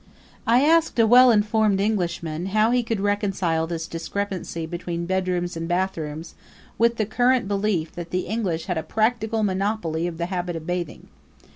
I asked a well informed Englishman how he could reconcile this discrepancy between bedrooms and bathrooms with the current belief that the English had a practical monopoly of the habit of bathing.